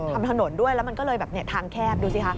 ทำถนนด้วยแล้วมันก็เลยแบบทางแคบดูสิคะ